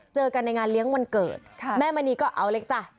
เจอกันในงานเลี้ยงวันเกิดแม่มณีก็เอาเลยจ้ะ